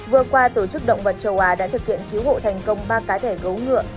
vừa qua tổ chức động vật châu á đã thực hiện cứu hộ thành công ba cá thể gấu ngựa